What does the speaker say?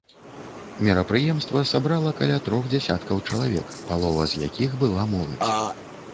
Мерапрыемства сабрала каля трох дзясяткаў чалавек, палова з якіх была моладзь.